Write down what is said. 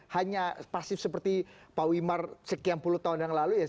hanya pasif seperti pak wimar sekian puluh tahun yang lalu ya